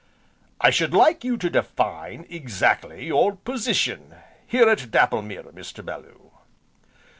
"I should like you to define, exactly, your position here at Dapplemere, Mr. Bellew."